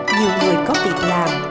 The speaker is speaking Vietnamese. nhiều người có việc làm